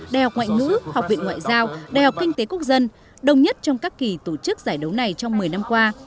đại học ngoại ngữ học viện ngoại giao đại học kinh tế quốc dân đồng nhất trong các kỳ tổ chức giải đấu này trong một mươi năm qua